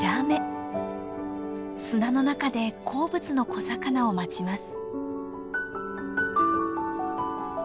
砂の中で好物の小魚を待ちます。